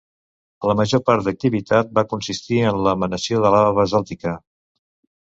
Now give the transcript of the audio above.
La major part d'activitat va consistir en l'emanació de lava basàltica.